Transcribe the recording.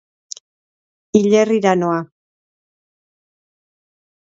Hilerrira noa.